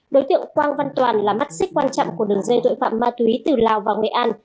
đối tượng quang văn toàn là mắt xích quan trọng của đường dây tội phạm ma túy từ lào vào nghệ an